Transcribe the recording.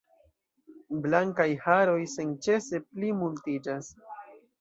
Blankaj haroj senĉese pli multiĝas.